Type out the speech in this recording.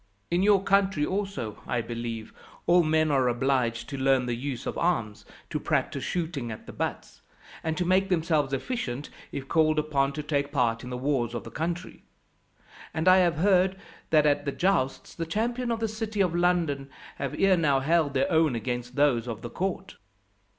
In your country also, I believe, all men are obliged to learn the use of arms, to practise shooting at the butts, and to make themselves efficient, if called upon to take part in the wars of the country. And I have heard that at the jousts, the champions of the city of London have ere now held their own against those of the court."